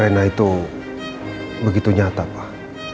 arena itu begitu nyata pak